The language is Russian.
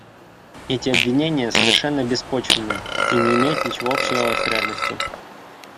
Эти обвинения совершенно беспочвенны и не имеют ничего общего с реальностью.